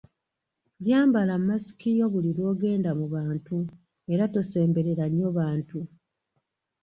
Yambala masiki yo buli lw’ogenda mu bantu era tosemberera nnyo bantu.